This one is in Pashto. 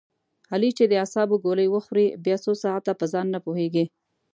علي چې د اعصابو ګولۍ و خوري بیا څو ساعته په ځان نه پوهېږي.